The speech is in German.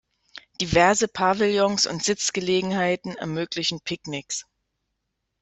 Diverse Pavillons und Sitzgelegenheiten ermöglichen Picknicks.